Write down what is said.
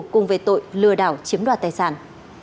cùng về tội lừa đảo chiếm đoạt tài sản